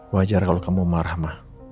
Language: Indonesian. wajar kalau kamu marah marah